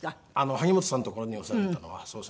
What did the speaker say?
萩本さんのところにお世話になったのはそうですね。